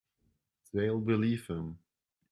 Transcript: They'll believe him.